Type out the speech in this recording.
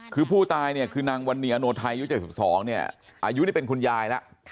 คือผู้ตายเนี่ยคือนางวันนี้อโนไทยอายุ๗๒เนี่ยอายุนี่เป็นคุณยายแล้ว